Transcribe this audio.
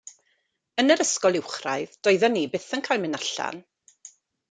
Yn yr ysgol uwchradd doeddan ni byth yn cael mynd allan.